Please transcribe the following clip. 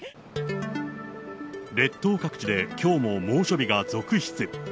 列島各地できょうも猛暑日が続出。